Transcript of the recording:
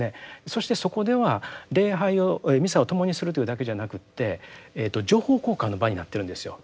そしてそこでは礼拝をミサを共にするというだけじゃなくて情報交換の場になってるんですよ。